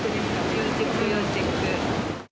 要チェック、要チェック。